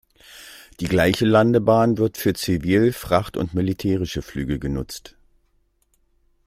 Die gleiche Landebahn wird für Zivil-, Fracht- und militärische Flüge genutzt.